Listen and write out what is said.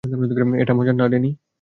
এটা মজার না, ড্যানি।